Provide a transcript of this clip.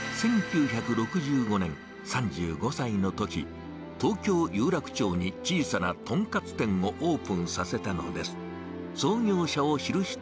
１９６５年、３５歳のとき、東京・有楽町に小さなとんかつ店をオープンさせたのです。